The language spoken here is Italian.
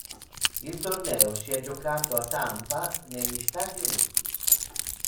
Il torneo si è giocato a Tampa negli Stati Uniti.